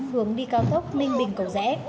hướng đi cao tốc minh bình cầu rẽ